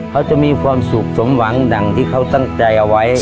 เขาจะมีความสุขสมหวังดังที่เขาตั้งใจเอาไว้